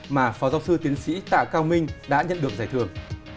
mà phó giáo sư tiến sĩ tạ cao minh đã nhận được giải thưởng